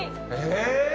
え